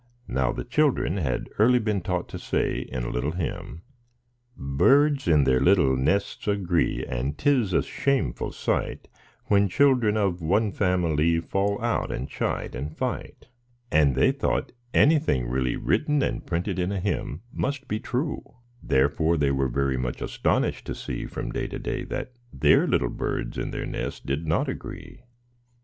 Now the children had early been taught to say in a little hymn:— "Birds in their little nests agree; And 'tis a shameful sight When children of one family Fall out, and chide, and fight;"— and they thought anything really written and printed in a hymn must be true; therefore they were very much astonished to see, from day to day, that their little birds in their nest did not agree.